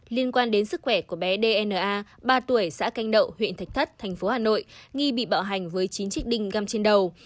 liên quan đến sức khỏe của bé dna ba tuổi xã canh đậu huyện thạch thất tp hà nội nghi bị bạo hành với chín trích đinh găm trên đầu